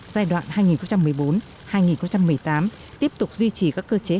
giai đoạn hai nghìn một mươi bốn hai nghìn một mươi tám tiếp tục duy trì các cơ chế